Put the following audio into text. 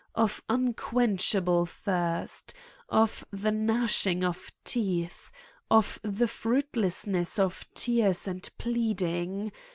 Of unquenchable thirst. Of the gnashing of teeth. Of the fruitlessness of tears and pleading.